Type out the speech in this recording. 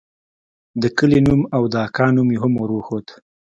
د کلي نوم او د اکا نوم مې هم وروښود.